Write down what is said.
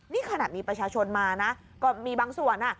นี่ขนาดมีประชาชนมานะก็มีบางส่วน